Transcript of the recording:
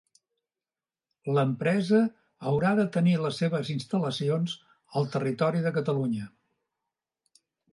L'empresa haurà de tenir les seves instal·lacions al territori de Catalunya.